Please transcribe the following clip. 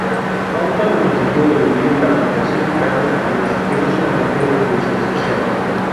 Aun cuando consiguió eludir la aplicación de cargos penales, quedó sumamente desprestigiado.